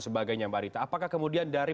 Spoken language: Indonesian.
sebagainya mbak rita apakah kemudian dari